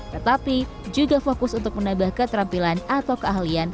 tetapi juga fokus untuk menambah keterampilan atau keahlian